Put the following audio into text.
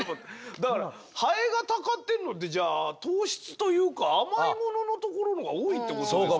だからハエがたかってるのってじゃあ糖質というか甘いもののところのが多いってことですかね。